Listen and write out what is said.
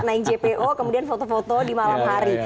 naik jpo kemudian foto foto di malam hari